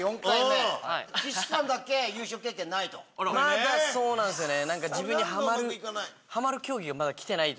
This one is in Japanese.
まだそうなんすよね。